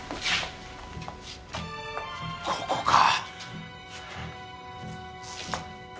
ここか！